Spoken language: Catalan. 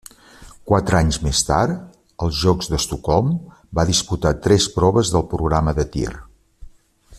Quatre anys més tard, als Jocs d'Estocolm, va disputar tres proves del programa de tir.